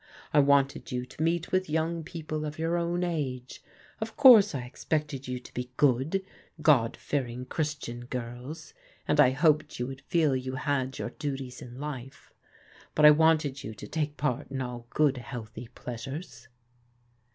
I wanted you to meet with young people of your own age. Of course I expected you to be good, God fearing Qiris tian girls, and I hoped you would feel you had your du ties in life; but I wanted you to take part in all good healthy pleasures."